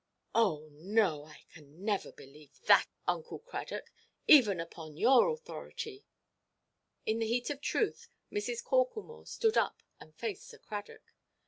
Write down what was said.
"Oh no; I can never believe that, Uncle Cradock, even upon your authority." In the heat of truth, Mrs. Corklemore stood up and faced Sir Cradock.